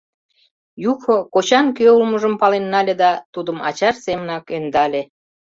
Юхо кочан кӧ улмыжым пален нале да тудым ачаж семынак ӧндале.